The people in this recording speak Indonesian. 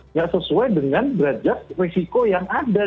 nggak sesuai dengan berat berat risiko yang ada